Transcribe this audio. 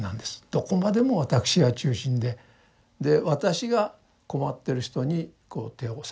どこまでも私が中心でで私が困ってる人にこう手を差し向けると。